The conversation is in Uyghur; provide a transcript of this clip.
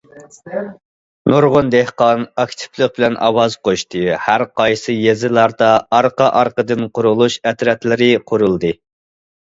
نۇرغۇن دېھقان ئاكتىپلىق بىلەن ئاۋاز قوشتى، ھەر قايسى يېزىلاردا ئارقا- ئارقىدىن قۇرۇلۇش ئەترەتلىرى قۇرۇلدى.